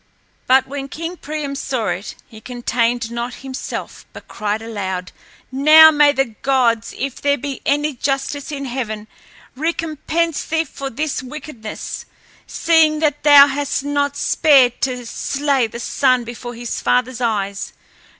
But when King Priam saw it he contained not himself, but cried aloud, "Now may the gods, if there be any justice in heaven, recompense thee for this wickedness, seeing that thou hast not spared to slay the son before his father's eyes.